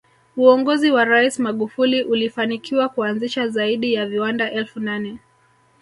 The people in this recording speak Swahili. Uongozi wa rais Magufuli ulifanikiwa kuanzisha zaidi ya viwanda elfu nane